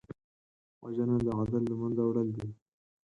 وژنه د عدل له منځه وړل دي